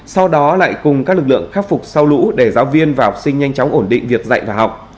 sau đó lại cùng các lực lượng khắc phục sau lũ để giáo viên và học sinh nhanh chóng ổn định việc dạy và học